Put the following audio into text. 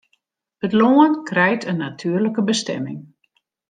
It lân krijt in natuerlike bestimming.